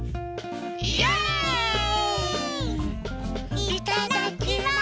いただきます！